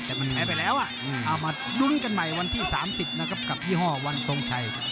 แต่มันแพ้ไปแล้วเอามาลุ้นกันใหม่วันที่๓๐นะครับกับยี่ห้อวันทรงชัย